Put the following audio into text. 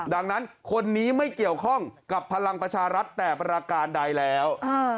ดังนั้นคนนี้ไม่เกี่ยวข้องกับพลังประชารัฐแต่ประการใดแล้ว